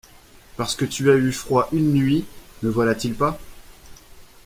Parce que tu as eu froid une nuit, ne voilà-t-il pas!